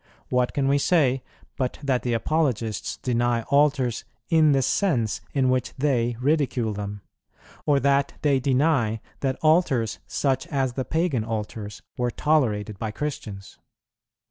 What can we say, but that the Apologists deny altars in the sense in which they ridicule them; or, that they deny that altars such as the Pagan altars were tolerated by Christians?